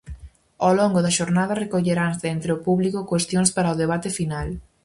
Ao longo da xornada recolleranse entre o público cuestións para o debate final.